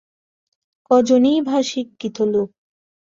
কজনই বা শিক্ষিত লোক!